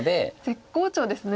絶好調ですね。